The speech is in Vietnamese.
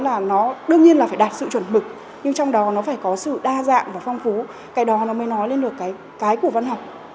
là nó đương nhiên là phải đạt sự chuẩn mực nhưng trong đó nó phải có sự đa dạng và phong phú cái đó nó mới nói lên được cái của văn học